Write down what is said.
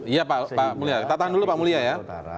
iya pak mulya kita tahan dulu pak mulia ya